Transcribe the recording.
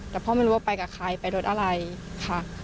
แต่พ่อไม่รู้ว่าไปกับใครไปรถอะไรค่ะ